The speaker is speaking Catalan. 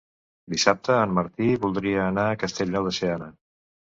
Dissabte en Martí voldria anar a Castellnou de Seana.